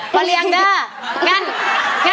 ป้าเลี่ยงด้ื้อ